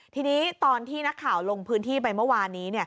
ทีนี้ตอนที่นักข่าวลงพื้นที่ไปเมื่อวานนี้